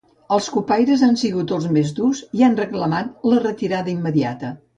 Els cupaires han sigut els més durs i han reclamat la retirada immediata.